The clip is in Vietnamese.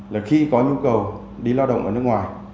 là khi có nhu cầu đi lao động ở nước ngoài